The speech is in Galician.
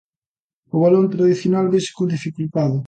O balón tradicional vese con dificultade.